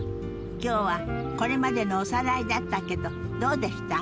今日はこれまでのおさらいだったけどどうでした？